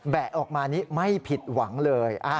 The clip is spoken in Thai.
ะออกมานี้ไม่ผิดหวังเลย